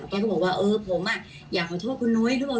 แล้วก็บอกว่าเออผมอยากขอโทษคุณน้อยหรือเปล่า